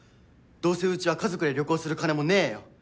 どうせうちは家族で旅行する金もねえよ！